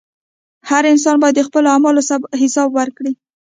• هر انسان باید د خپلو اعمالو حساب ورکړي.